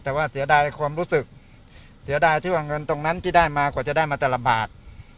แต่ว่าเสียดายในความรู้สึกเสียดายที่ว่าเงินตรงนั้นที่ได้มากว่าจะได้มาแต่ละบาท